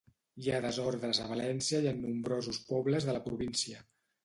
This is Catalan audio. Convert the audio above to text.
Hi ha desordres a València i en nombrosos pobles de la província.